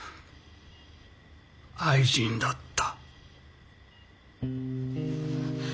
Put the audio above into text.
愛人だった。